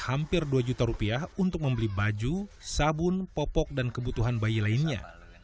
hampir dua juta rupiah untuk membeli baju sabun popok dan kebutuhan bayi lainnya